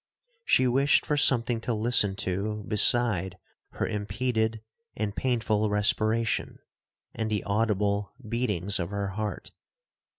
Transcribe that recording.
She wished for something to listen to beside her impeded and painful respiration, and the audible beatings of her heart.